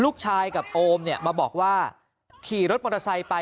ลูกชายกับโอมเนี่ยมาบอกว่าขี่รถมอเตอร์ไซค์ไป